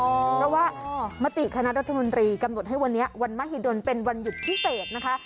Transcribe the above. เพราะว่ามติคณะรัฐมนตรีกำหนดให้วันนี้วันมหิดลเป็นวันหยุดพิเศษนะคะ